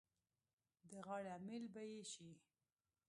د غاړې امېل به یې شي.